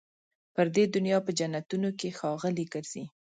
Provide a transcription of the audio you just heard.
پر دې دنیا په جنتونو کي ښاغلي ګرځي